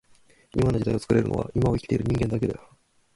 今の時代を作れるのは今を生きている人間だけだよ